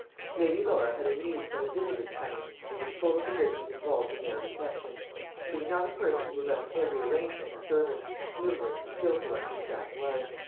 Lady Laura had a new set of visitors coming, and was full of the business involved in their reception. She was not a person who left every arrangement to servants, numerous and skilful as her staff was.